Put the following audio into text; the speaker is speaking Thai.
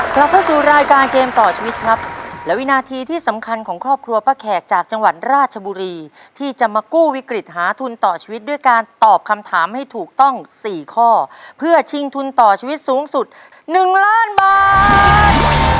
กลับเข้าสู่รายการเกมต่อชีวิตครับและวินาทีที่สำคัญของครอบครัวป้าแขกจากจังหวัดราชบุรีที่จะมากู้วิกฤตหาทุนต่อชีวิตด้วยการตอบคำถามให้ถูกต้องสี่ข้อเพื่อชิงทุนต่อชีวิตสูงสุดหนึ่งล้านบาท